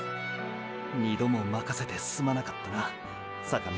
２度もまかせてすまなかったな坂道。